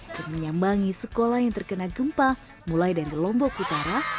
dan menyambangi sekolah yang terkena gempa mulai dari lombok utara